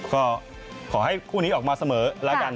ก็ขอให้คู่นี้ออกมาเสมอแล้วกัน